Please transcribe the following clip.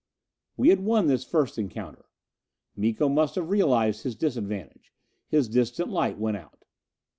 _" We had won this first encounter! Miko must have realized his disadvantage. His distant light went out.